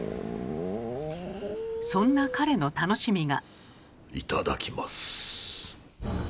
そんな彼の楽しみが。